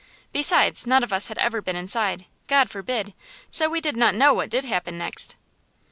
Besides, none of us had ever been inside, God forbid! so we did not know what did happen next.